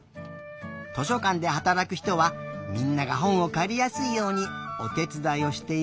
図書かんではたらくひとはみんながほんをかりやすいようにおてつだいをしているんだね。